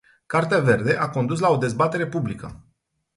Cartea verde a condus la o dezbatere publică.